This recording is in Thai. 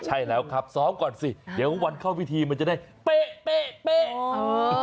ใช่แล้วครับซ้อมก่อนสิเดี๋ยววันเข้าพิธีมันจะได้เป๊ะ